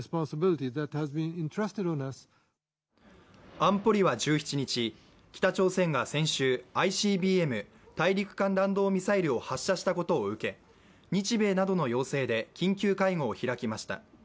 安保理は１７日、北朝鮮が先週ＩＣＢＭ＝大陸間弾道ミサイルを発射したことを受け、日米などの要請で緊急会合を開きました。